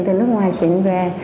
từ nước ngoài chuyển về